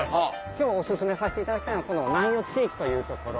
今日お薦めさせていただきたいこの南予地域という所。